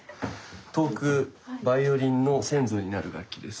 遠くバイオリンの先祖になる楽器です。